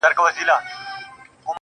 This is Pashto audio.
o زما سره اوس لا هم د هغي بېوفا ياري ده.